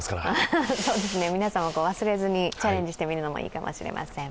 皆さんも忘れずにチャレンジしてみるのもいいかもしれません。